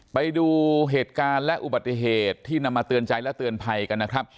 ไปดูเหตุการณ์และอุบัติเหตุที่นำมาเตือนใจและเตือนภัยกันนะครับ